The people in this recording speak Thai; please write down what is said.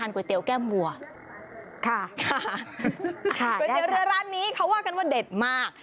ก๋วยเตี๋ยวในร้านนี้เขาว่ากันว่าเด็ดมาก